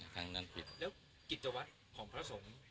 แล้วกิจวัตรของพระสงฆ์